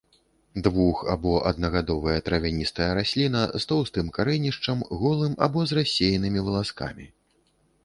Двух- або аднагадовая травяністая расліна з тоўстым карэнішчам, голым або з рассеянымі валаскамі.